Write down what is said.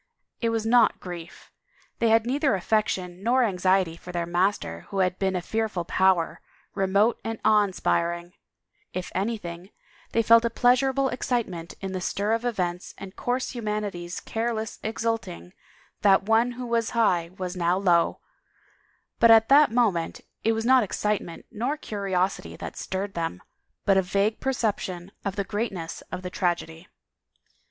It was not grief ; they had neither affection nor anxiety for their master who had been a fearful power, remote and awe inspiring; if anything they felt a pleasurable excite ment in the stir of events and coarse humanity's careless exulting that one who was high was now low, but at that moment it was not excitement nor curiosity that stirred them but a vague perception of the greatness of the tragedy.